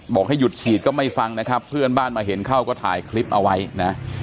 บอกให้หยุดฉีดก็ไม่ฟังนะครับเพื่อนบ้านมาเห็นเข้าก็ถ่ายคลิปเอาไว้นะ